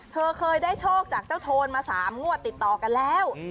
เธอเคยได้โชคจากเจ้าโทนมา๓งวดติดต่อกันแล้ว